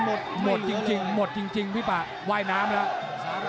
หมดหมดจริงหมดจริงพี่ป่าว่ายน้ำแล้ว